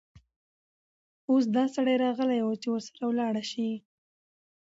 اوس دا سړى راغلى وو، چې ورسره ولاړه شې.